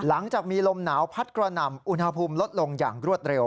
หลังจากมีลมหนาวพัดกระหน่ำอุณหภูมิลดลงอย่างรวดเร็ว